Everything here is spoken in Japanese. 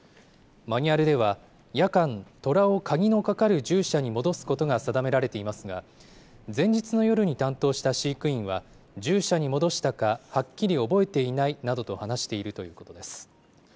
マニュアルでは、夜間、虎を鍵のかかる獣舎に戻すことが定められていますが、前日の夜に担当した飼育員は、獣舎に戻したか、はっきり覚えていないなどと話しているということです。